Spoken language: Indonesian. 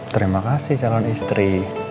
terima kasih calon istri